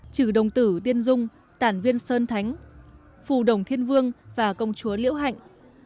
trừ đồng tử tiên dung tản viên sơn thánh phù đồng thiên vương và công chúa liễu hạnh